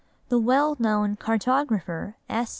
The well known cartographer, S.